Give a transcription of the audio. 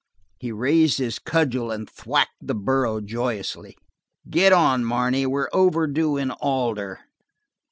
He raised his cudgel and thwacked the burro joyously. "Get on, Marne," he cried. "We're overdue in Alder."